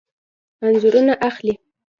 انځورونه اخلئ؟